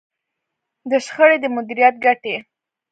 د شخړې د مديريت ګټې.